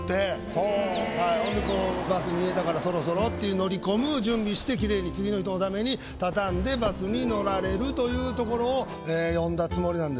ほんでこうバス見えたからそろそろって乗り込む準備して綺麗に次の人のために畳んでバスに乗られるというところを詠んだつもりなんですけど。